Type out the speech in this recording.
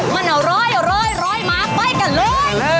มันเอาร้อยมาไปกันเลย